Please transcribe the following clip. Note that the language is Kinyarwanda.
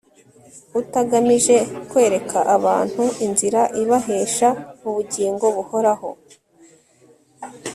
utagamije kwereka abantu inzira ibahesha ubugingo buhoraho